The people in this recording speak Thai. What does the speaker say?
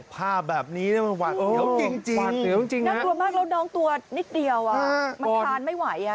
ภาพแบบนี้นี่มันหวัดเหลืองจริงน่ากลัวมากแล้วน้องตัวนิดเดียวมันทานไม่ไหว